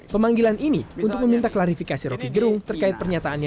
pemanggilan ini untuk meminta klarifikasi roky gerung terkait pernyataannya